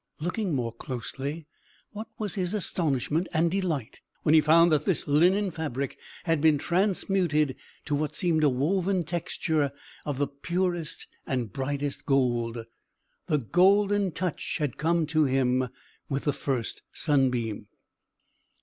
Looking more closely, what was his astonishment and delight, when he found that this linen fabric had been transmuted to what seemed a woven texture of the purest and brightest gold! The Golden Touch had come to him with the first sunbeam!